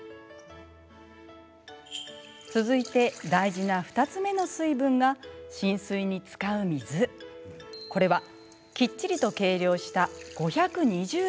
続いて大事な２つ目の水分がこれはきっちりと計量した５２０ｇ。